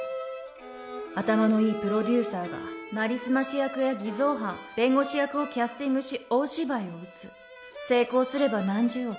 頭のいいプロデューサーが成り済まし役や偽造犯弁護士役をキャスティングし大芝居を打つ成功すれば何十億